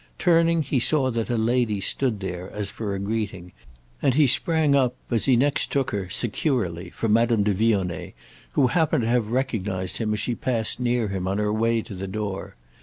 Turning, he saw that a lady stood there as for a greeting, and he sprang up as he next took her, securely, for Madame de Vionnet, who appeared to have recognised him as she passed near him on her way to the door.